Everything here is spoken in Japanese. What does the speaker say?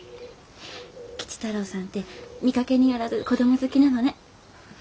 吉太郎さんって見かけによらず子ども好きなのね。